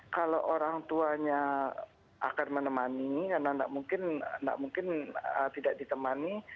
kalau orang tuanya akan menemani karena nggak mungkin tidak ditemani